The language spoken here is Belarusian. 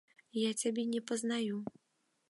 Я цябе не пазнаю.